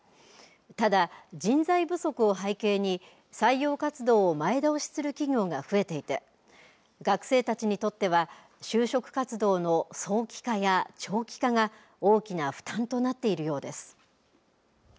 ただ、人材不足を背景に採用活動を前倒しする企業が増えていて学生たちにとっては就職活動の早期化や長期化が大きな負担となっているようです。